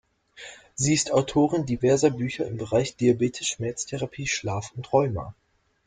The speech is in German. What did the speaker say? Sie ist Autorin diverser Bücher im Bereich Diabetes, Schmerztherapie, Schlaf und Rheuma.